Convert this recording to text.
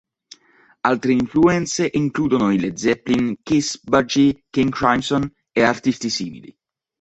Altre influenze includono i Led Zeppelin, Kiss, Budgie, King Crimson e artisti simili.